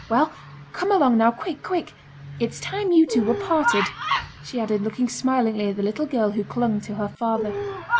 Well, come along now, quick, quick! It's time you two were parted," she added, looking smilingly at the little girl who clung to her father.